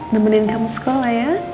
temenin kamu sekolah ya